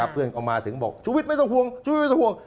เพื่อนก็มาถึงบอกชุวิตไม่ต้องห่วงชุวิตไม่ต้องห่วง